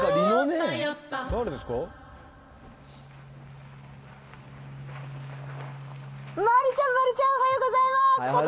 おはようございます。